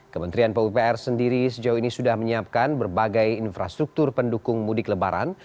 kementerian pupr sendiri sejauh ini sudah menyiapkan berbagai infrastruktur pendukung mudik lebaran